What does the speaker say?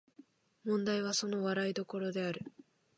問題はその笑い所である